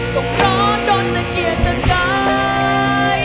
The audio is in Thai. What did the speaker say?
ต้องรอดรนตะเกียรตะกาย